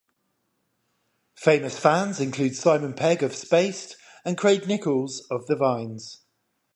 Famous fans include Simon Pegg of Spaced and Craig Nicholls of The Vines.